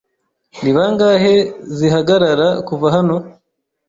Ni bangahe zihagarara kuva hano?